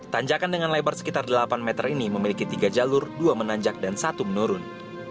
tanjakan dengan lebar sekitar delapan meter ini memiliki tiga jalur dua menanjak dan satu menurun